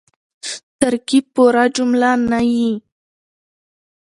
ترکیب پوره جمله نه يي.